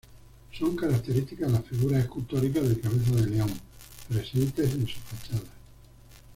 Son características las figuras escultóricas de cabeza de león presentes en su fachada.